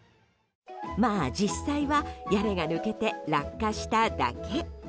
まあ、実際は屋根が抜けて落下しただけ。